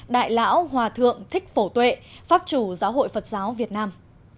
đại lão hòa thượng thích phổ tuệ pháp chủ giáo hội phật giáo việt nam